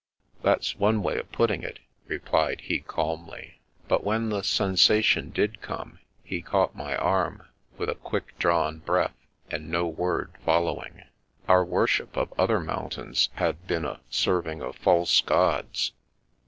"" That's one way of putting it," replied he calmly. But when the sensation did come, he caught my arm, with a quick drawn breath, and no word fol lowing. Our worship of other mountains had been a serving of false gods.